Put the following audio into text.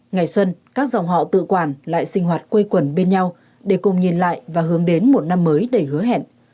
ngày xuân các dòng họ tự quản lại sinh hoạt quây quần bên nhau để cùng nhìn lại và hướng đến một năm mới đầy hứa hẹn